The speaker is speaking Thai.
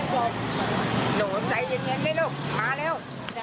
โหนใจเย็นให้ลุกพาเร็ว